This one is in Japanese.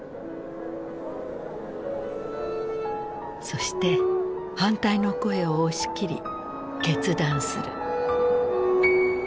そして反対の声を押し切り決断する。